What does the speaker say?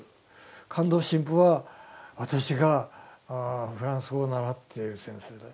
「カンドウ神父は私がフランス語を習っている先生だ」。